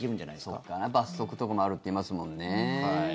そうか、罰則とかもあるっていいますもんね。